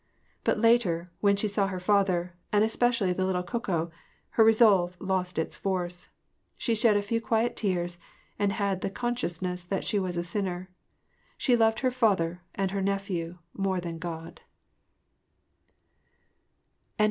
But later, when she saw her father, and especially the little Koko, her resolve lost its force ; she shed a few quiet tears, and had the consciousness that she was a sinner : she loved her father and her nephew more than Grod.